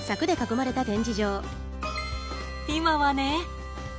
今はね。